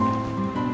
kau mau kemana